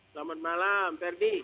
selamat malam perdi